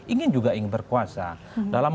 ingin juga ingin berkuasa dalam